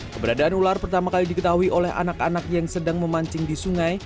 keberadaan ular pertama kali diketahui oleh anak anak yang sedang memancing di sungai